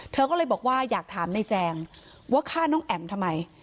เธอก็เลยบอกว่าอยากถามนายแจงว่าฆ่าน้องแอ๋มทำไม